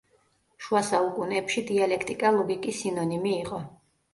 შუა საუკუნეებში დიალექტიკა ლოგიკის სინონიმი იყო.